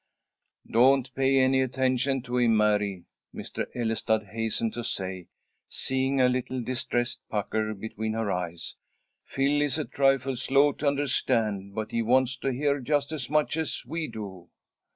"Don't pay any attention to him, Mary," Mr. Ellestad hastened to say, seeing a little distressed pucker between her eyes. "Phil is a trifle slow to understand, but he wants to hear just as much as we do."